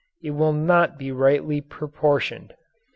It will not be rightly proportioned.